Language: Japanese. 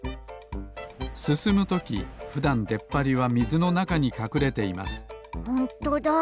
すすむときふだんでっぱりはみずのなかにかくれていますホントだ。